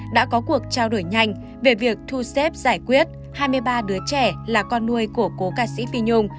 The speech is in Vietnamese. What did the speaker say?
đã có cuộc trao đổi nhanh về việc thu xếp giải quyết hai mươi ba đứa trẻ là con nuôi của cố ca sĩ phi nhung